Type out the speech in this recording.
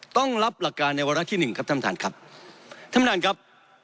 ต้องรับหลักการในวาระที่หนึ่งครับท่านประธานครับ